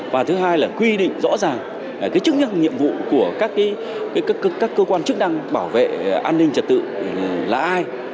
và thứ hai là quy định rõ ràng chức năng nhiệm vụ của các cơ quan chức năng bảo vệ an ninh trật tự là ai